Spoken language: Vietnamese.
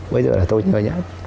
bây giờ là tôi nhớ nhất